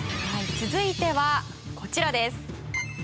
続いてはこちらです。